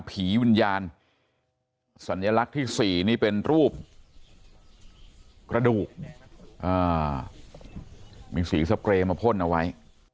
ผีวิญญาณสัญลักษณ์ที่๔นี่เป็นรูปกระดูกมีสีสเปรย์มาพ่นเอาไว้